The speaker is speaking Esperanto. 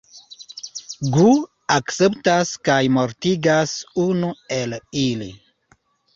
Gu akceptas kaj mortigas unu el ili.